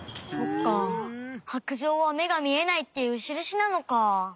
そっか白杖はめがみえないっていうしるしなのか。